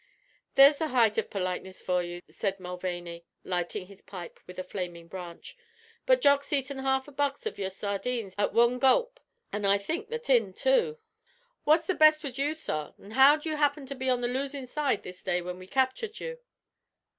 "There's the height av politeness for you," said Mulvaney, lighting his pipe with a flaming branch. "But Jock's eaten half a box av your sardines at wan gulp, an' I think the tin too. What's the best wid you, sorr; an' how did you happen to be on the losin' side this day when we captured you?"